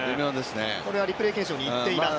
これはリプレー検証にいっています。